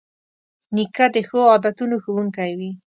نیکه د ښو عادتونو ښوونکی وي.